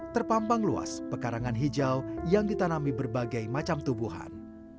terpampang luas pekarangan hijau yang ditanami berbagai macam tumbuhan